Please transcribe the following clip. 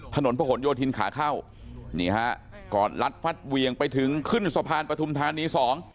ถนนพระหลโยธินขาเข้านี่ฮะก่อนลัดฟัดเวียงไปถึงขึ้นสะพานปฐุมธานีสอง